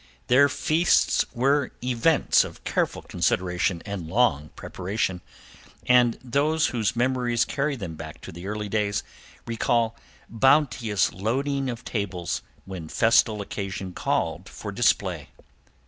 Their feasts were events of careful consideration and long preparation, and those whose memories carry them back to the early days, recall bounteous loading of tables when festal occasion called for display.